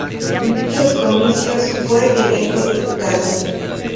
En dichos comicios fue electo Diputado.